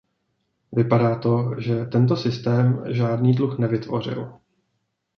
Vypadá to, že tento systém žádný dluh nevytvořil.